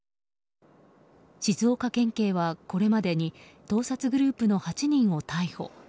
静岡県警はこれまでに盗撮グループの８人を逮捕。